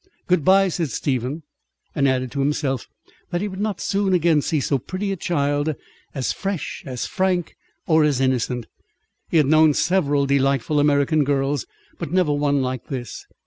"Good bye," said Stephen, and added to himself that he would not soon again see so pretty a child; as fresh, as frank, or as innocent. He had known several delightful American girls, but never one like this.